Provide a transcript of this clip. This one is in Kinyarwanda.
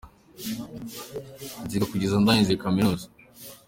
nziga kugeza ndangije kaminuza